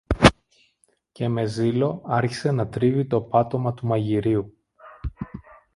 και με ζήλο άρχισε να τρίβει το πάτωμα του μαγειριού